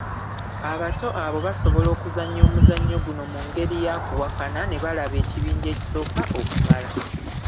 Abato abo basobola okuzannya omuzannyo guno mu ngeri ya kuwakana ne balaba ekibinja ekisooka okumala.